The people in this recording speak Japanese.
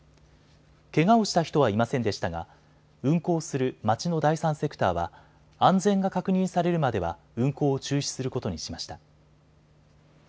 けがをした人はいませんでしたが運行する町の第三セクターは安全が確認されるまでは運行を中止することにしました。